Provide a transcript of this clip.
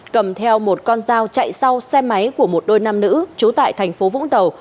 cầm theo một con dao chạy sau xe máy của một đôi nam nữ trú tại thành phố vũng tàu